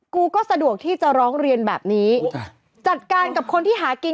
กูก็สะดวกที่จะร้องเรียนแบบนี้จัดการกับคนที่หากิน